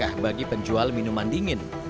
murah bagi penjual minuman dingin